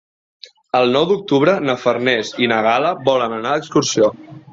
El nou d'octubre na Farners i na Gal·la volen anar d'excursió.